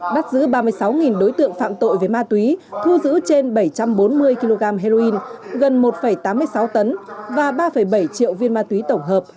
bắt giữ ba mươi sáu đối tượng phạm tội về ma túy thu giữ trên bảy trăm bốn mươi kg heroin gần một tám mươi sáu tấn và ba bảy triệu viên ma túy tổng hợp